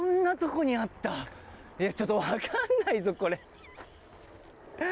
いやちょっと分かんないぞこれ。